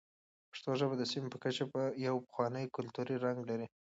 پښتو ژبه د سیمې په کچه یو پخوانی کلتوري رنګ لري.